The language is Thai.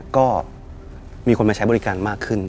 ก็มีคนมาใช้บริการมากขึ้น